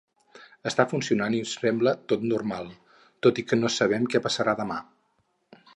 “Està funcionant i sembla tot normal, tot i que no sabem que passarà demà”.